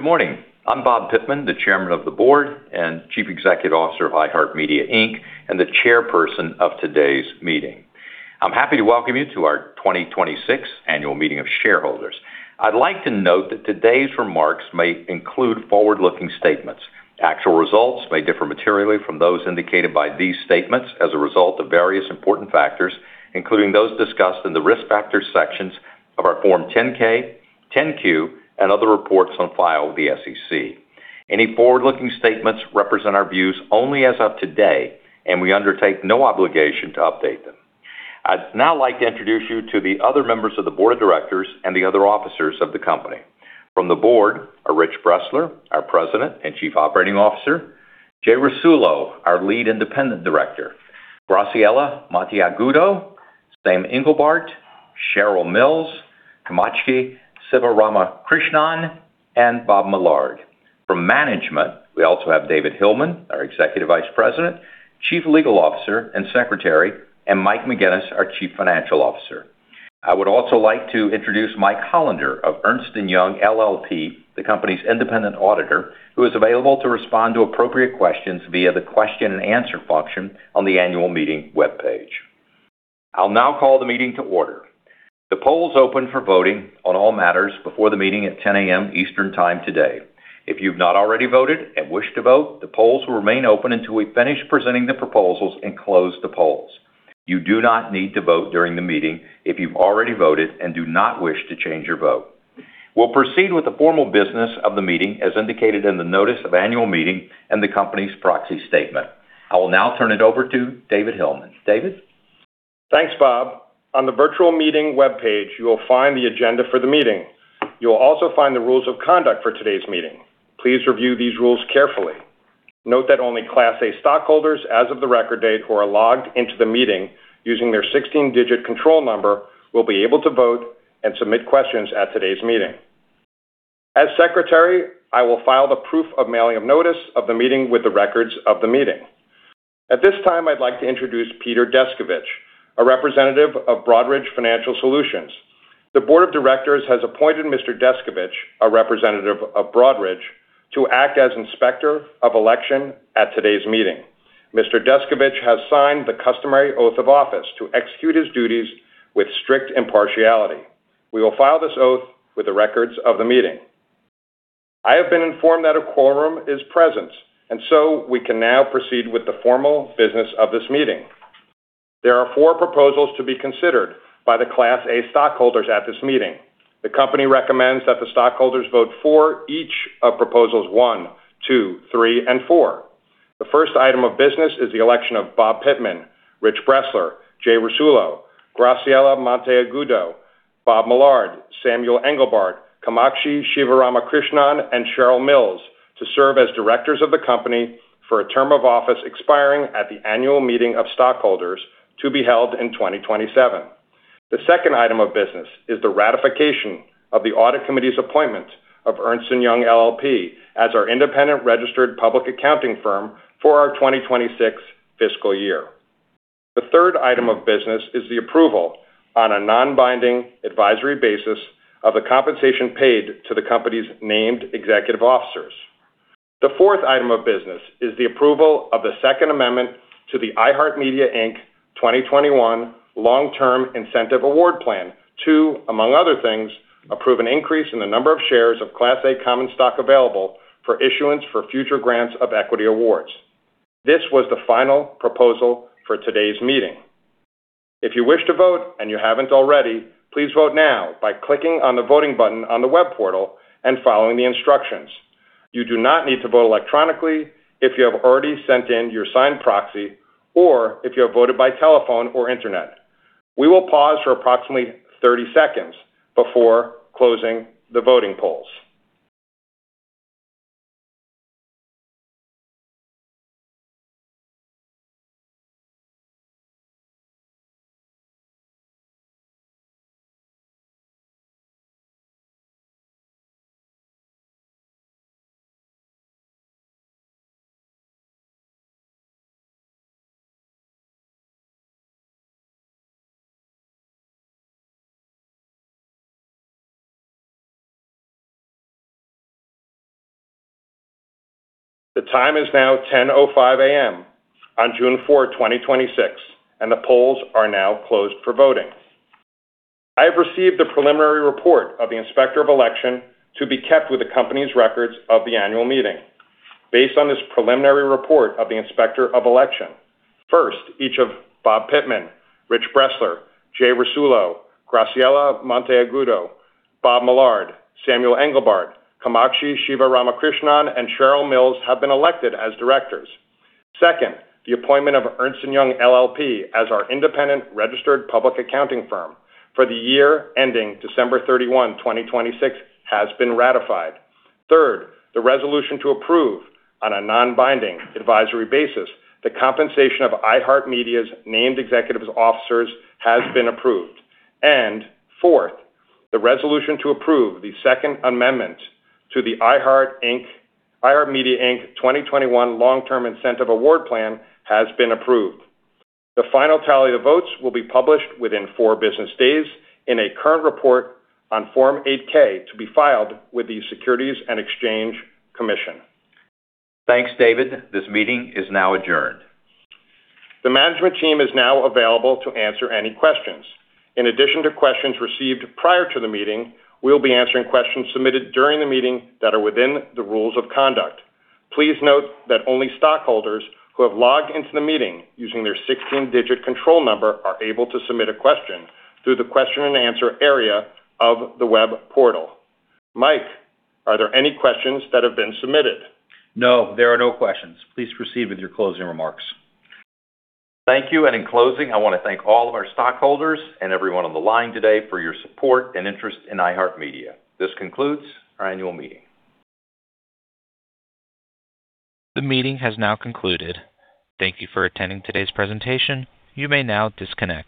Good morning. I'm Bob Pittman, the Chairman of the Board and Chief Executive Officer of iHeartMedia, Inc., and the chairperson of today's meeting. I'm happy to welcome you to our 2026 annual meeting of shareholders. I'd like to note that today's remarks may include forward-looking statements. Actual results may differ materially from those indicated by these statements as a result of various important factors, including those discussed in the Risk Factors sections of our Form 10-K, 10-Q, and other reports on file with the SEC. Any forward-looking statements represent our views only as of today, and we undertake no obligation to update them. I'd now like to introduce you to the other members of the board of directors and the other officers of the company. From the board are Rich Bressler, our President and Chief Operating Officer, Jay Rasulo, our Lead Independent Director, Graciela Monteagudo, Sam Englebardt, Cheryl Mills, Kamakshi Sivaramakrishnan, and Bob Millard. From management, we also have David Hillman, our Executive Vice President, Chief Legal Officer, and Secretary, and Mike McGuinness, our Chief Financial Officer. I would also like to introduce Mike Hollander of Ernst & Young LLP, the company's independent auditor, who is available to respond to appropriate questions via the question and answer function on the annual meeting webpage. I'll now call the meeting to order. The polls open for voting on all matters before the meeting at 10:00 A.M. Eastern Time today. If you've not already voted and wish to vote, the polls will remain open until we finish presenting the proposals and close the polls. You do not need to vote during the meeting if you've already voted and do not wish to change your vote. We'll proceed with the formal business of the meeting as indicated in the notice of annual meeting and the company's proxy statement. I will now turn it over to David Hillman. David? Thanks, Bob. On the virtual meeting webpage, you will find the agenda for the meeting. You will also find the rules of conduct for today's meeting. Please review these rules carefully. Note that only Class A stockholders as of the record date who are logged into the meeting using their 16-digit control number will be able to vote and submit questions at today's meeting. As Secretary, I will file the proof of mailing of notice of the meeting with the records of the meeting. At this time, I'd like to introduce Peter Descovich, a representative of Broadridge Financial Solutions. The Board of Directors has appointed Mr. Descovich, a representative of Broadridge, to act as Inspector of Election at today's meeting. Mr. Descovich has signed the customary oath of office to execute his duties with strict impartiality. We will file this oath with the records of the meeting. I have been informed that a quorum is present. We can now proceed with the formal business of this meeting. There are four proposals to be considered by the Class A stockholders at this meeting. The company recommends that the stockholders vote for each of Proposals one, two, three, and four. The first item of business is the election of Bob Pittman, Rich Bressler, Jay Rasulo, Graciela Monteagudo, Bob Millard, Samuel Englebardt, Kamakshi Sivaramakrishnan, and Cheryl Mills to serve as directors of the company for a term of office expiring at the annual meeting of stockholders to be held in 2027. The second item of business is the ratification of the Audit Committee's appointment of Ernst & Young LLP as our independent registered public accounting firm for our 2026 fiscal year. The third item of business is the approval on a non-binding advisory basis of the compensation paid to the company's named executive officers. The fourth item of business is the approval of the second amendment to the iHeartMedia, Inc. 2021 Long-Term Incentive Award Plan to, among other things, approve an increase in the number of shares of Class A common stock available for issuance for future grants of equity awards. This was the final proposal for today's meeting. If you wish to vote and you haven't already, please vote now by clicking on the voting button on the web portal and following the instructions. You do not need to vote electronically if you have already sent in your signed proxy or if you have voted by telephone or internet. We will pause for approximately 30 seconds before closing the voting polls. The time is now 10:05 A.M. on June 4, 2026, and the polls are now closed for voting. I have received the preliminary report of the Inspector of Election to be kept with the company's records of the annual meeting. Based on this preliminary report of the Inspector of Election, First, each of Bob Pittman, Rich Bressler, Jay Rasulo, Graciela Monteagudo, Bob Millard, Samuel Englebardt, Kamakshi Sivaramakrishnan, and Cheryl Mills have been elected as directors. Second, the appointment of Ernst & Young LLP as our independent registered public accounting firm for the year ending December 31, 2026, has been ratified. Third, the resolution to approve on a non-binding advisory basis the compensation of iHeartMedia's named executive officers has been approved. Fourth, the resolution to approve the second amendment to the iHeartMedia, Inc. 2021 Long-Term Incentive Award Plan has been approved. The final tally of votes will be published within four business days in a current report on Form 8-K to be filed with the Securities and Exchange Commission. Thanks, David. This meeting is now adjourned. The management team is now available to answer any questions. In addition to questions received prior to the meeting, we'll be answering questions submitted during the meeting that are within the rules of conduct. Please note that only stockholders who have logged into the meeting using their 16-digit control number are able to submit a question through the question and answer area of the web portal. Mike, are there any questions that have been submitted? No, there are no questions. Please proceed with your closing remarks. Thank you. In closing, I want to thank all of our stockholders and everyone on the line today for your support and interest in iHeartMedia. This concludes our annual meeting. The meeting has now concluded. Thank you for attending today's presentation. You may now disconnect.